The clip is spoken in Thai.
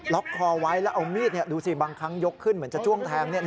คอไว้แล้วเอามีดดูสิบางครั้งยกขึ้นเหมือนจะจ้วงแทง